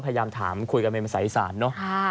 พยายามถามคุยกับในศัยศาสตร์เนอะ